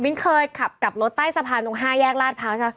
มิ๊นเคยขับกับรถใต้สะพานตรงฮาแยกราชภาค